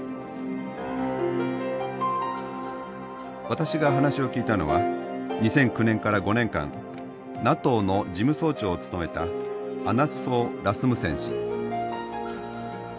私が話を聞いたのは２００９年から５年間ＮＡＴＯの事務総長を務めたアナス・フォー・ラスムセン氏。